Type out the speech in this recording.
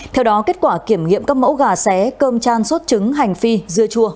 theo đó kết quả kiểm nghiệm các mẫu gà xé cơm chan sốt trứng hành phi dưa chua